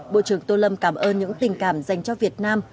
bộ trưởng tô lâm cảm ơn những tình cảm dành cho việt nam